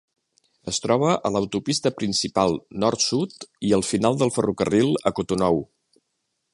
Es troba a l'autopista principal nord-sud i al final del ferrocarril a Cotonou.